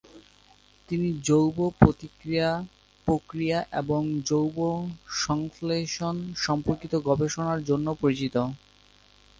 তিনি জৈব প্রতিক্রিয়া প্রক্রিয়া এবং জৈব সংশ্লেষণ সম্পর্কিত গবেষণার জন্য পরিচিত।